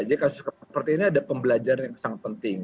jadi kasus kasus seperti ini ada pembelajaran yang sangat penting